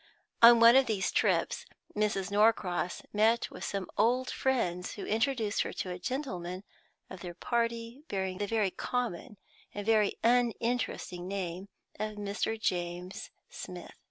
On one of these trips Mrs. Norcross met with some old friends, who introduced her to a gentleman of their party bearing the very common and very uninteresting name of Mr. James Smith.